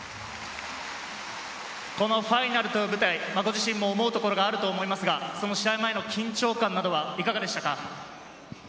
このファイナルという舞台、ご自身も思うところがあると思いますが、その試合前の緊張感などはいかがでしたか？